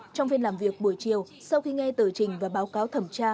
trong phiên làm việc buổi chiều sau khi nghe tờ trình và báo cáo thẩm tra